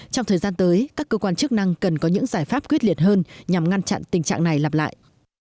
trong thời gian tới các cơ quan chức năng cần có những giải pháp quyết liệt hơn nhằm ngăn chặn tình trạng này lặp lại